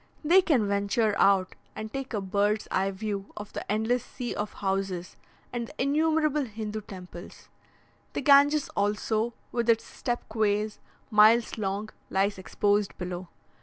They can venture out, and take a bird's eye view of the endless sea of houses, and the innumerable Hindoo temples; the Ganges also, with its step quays, miles long, lies exposed below.